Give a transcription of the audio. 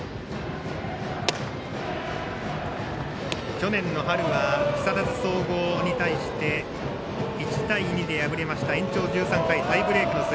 去年の春は木更津総合に対して１対２で敗れました延長１３回、タイブレークの末。